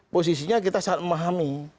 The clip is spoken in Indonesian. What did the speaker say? posisinya kita sangat memahami